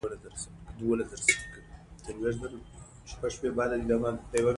زیاتره پلرونه فکر کوي، چي چيري ډب هلته ادب.